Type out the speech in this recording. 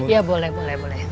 ya boleh boleh boleh